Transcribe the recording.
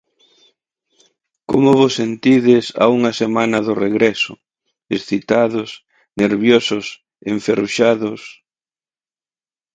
Como vos sentides a unha semana do regreso: excitados, nerviosos, enferruxados...?